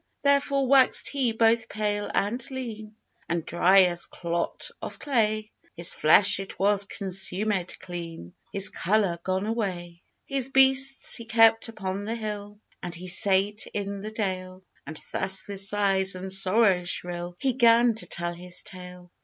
Therefore waxed he both pale and lean, And dry as clot of clay; His flesh it was consumèd clean, His colour gone away.... His beasts he kept upon the hill, And he sate in the dale; And thus, with sighs and sorrows shrill, He gan to tell his tale.